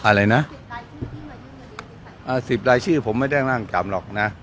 สิทธิ์ลายชื่อผมไม่ได้ร่างกามหรอกนะ